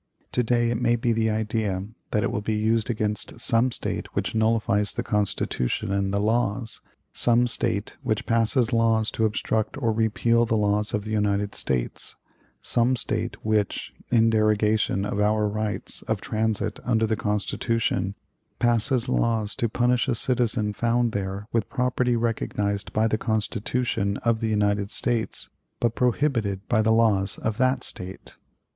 To day it may be the idea that it will be used against some State which nullifies the Constitution and the laws; some State which passes laws to obstruct or repeal the laws of the United States; some State which, in derogation of our rights of transit under the Constitution, passes laws to punish a citizen found there with property recognized by the Constitution of the United States, but prohibited by the laws of that State.